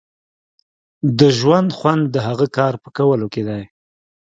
د ژوند خوند د هغه کار په کولو کې دی.